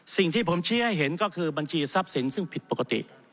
สิ่งที่ผมชี้ให้เห็นก็คือบัญชีทรัพย์สินซึ่งผิดปกติ